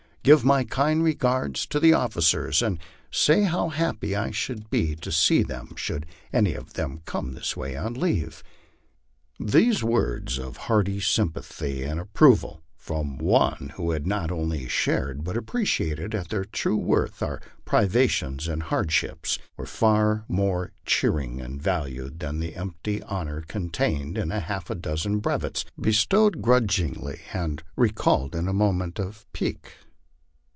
... Give my kind re gards to the officers, and say how happy I should be to see them should any of them come this way on leave." These words of hearty sympathy and ap proval, from one who had not only shared but appreciated at their true worth our " privations and hardships," were far more cheering and valued than the empty honor contained in half a dozen brevets bestowed grudgingly, and re called in a moment of pique.